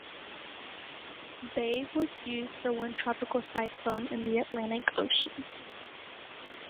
Babe was used for one tropical cyclone in the Atlantic Ocean.